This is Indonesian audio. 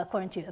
ada cara untuk